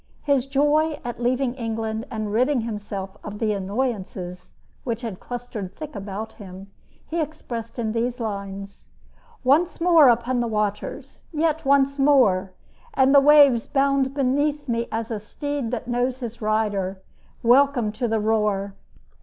His joy at leaving England and ridding himself of the annoyances which had clustered thick about him, he expressed in these lines: Once more upon the waters! yet once more! And the waves bound beneath me as a steed That knows his rider. Welcome to the roar!